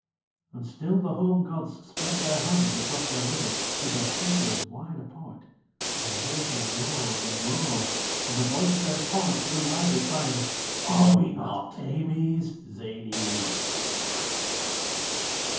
And still the home gods spread their hands across their rivers, with their fingers wide apart, and the waters rose and rose, and the voice of their torrent grew louder, crying: "Are we not Eimës, Zänës, and Segástrion?"